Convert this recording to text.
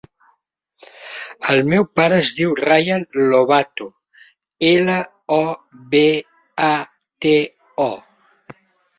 El meu pare es diu Rayan Lobato: ela, o, be, a, te, o.